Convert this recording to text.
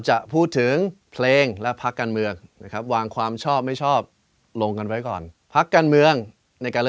ชื่อเพลงว่าต้องก้าวกล่าย